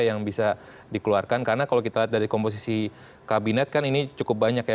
yang bisa dikeluarkan karena kalau kita lihat dari komposisi kabinet kan ini cukup banyak ya